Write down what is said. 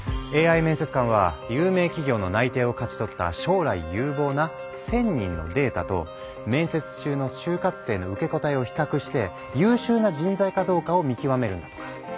ＡＩ面接官は有名企業の内定を勝ち取った将来有望な１，０００人のデータと面接中の就活生の受け答えを比較して優秀な人材かどうかを見極めるんだとか。